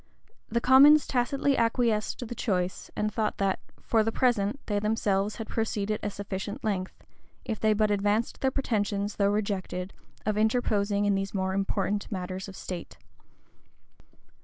The commons tacitly acquiesced in the choice; and thought that, for, the present, they themselves had proceeded a sufficient length, if they but advanced their pretensions, though rejected, of interposing in these more important matters of state.